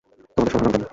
তোমাদের সবার নাম জানি।